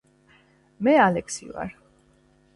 მე ალექსი ვარ